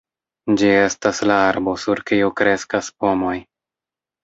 Ĝi estas la arbo sur kiu kreskas pomoj.